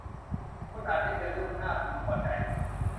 คุณอาจได้เจอเรื่องน่าพึงพอใจ